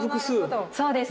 そうですね。